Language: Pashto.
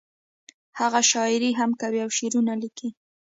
هغه شاعري هم کوي او شعرونه لیکي